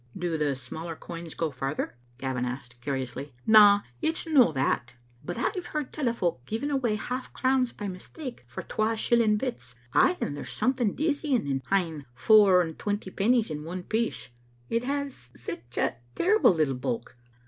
"Do the smaller coins go farther?" Gavin asked, curiously. "Na, it's no that. But I've heard tell o' folk giving away half crowns' by mistake for twa shilling bits; ay, and there's something dizzying in ha'en fower and twenty pennies in one piece; it has sic terrible little bulk.